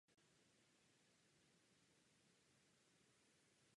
V průběhu vánočních svátků záhadné jevy na čas ustaly.